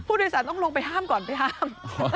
ผู้โดยสารต้องลงไปห้ามก่อนไปห้าม